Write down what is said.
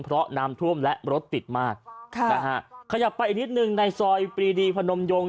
เพราะน้ำท่วมและรถติดมากค่ะนะฮะขยับไปอีกนิดหนึ่งในซอยปรีดีพนมยง